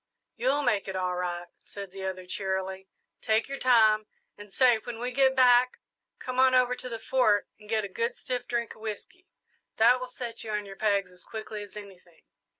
"You'll make it all right," said the other, cheerily; "take your time. And say, when we get back, come on over to the Fort and get a good stiff drink of whisky that will set you on your pegs as quickly as anything."